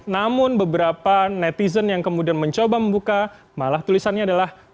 namun beberapa netizen yang kemudian mencoba membuka malah tulisannya adalah